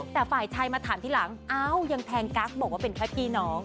แต่ฝ่ายชายมาถามทีหลังอ้าวยังแพงกั๊กบอกว่าเป็นแค่พี่น้อง